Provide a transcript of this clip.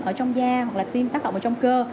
ở trong da hoặc là tiêm tác động ở trong cơ